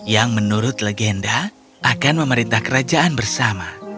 yang menurut legenda akan memerintah kerajaan bersama